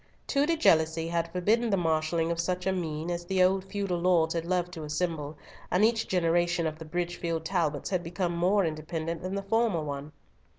Tudor jealousy had forbidden the marshalling of such a meine as the old feudal lords had loved to assemble, and each generation of the Bridgefield Talbots had become more independent than the former one.